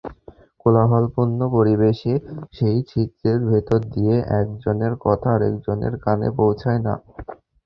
কোলাহলপূর্ণ পরিবেশে সেই ছিদ্রের ভেতর দিয়ে একজনের কথা আরেকজনের কানে পৌঁছায় না।